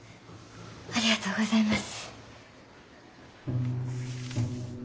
ありがとうございます。